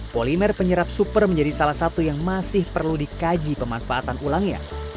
polimer penyerap super menjadi salah satu yang masih perlu dikaji pemanfaatan ulangnya